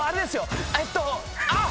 えっとあっ！